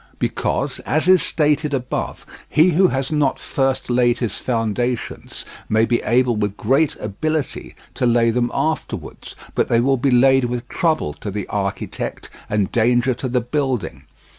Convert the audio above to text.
Because, as is stated above, he who has not first laid his foundations may be able with great ability to lay them afterwards, but they will be laid with trouble to the architect and danger to the building.